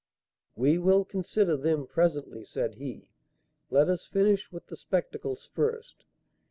"We will consider them presently," said he. "Let us finish with the spectacles first.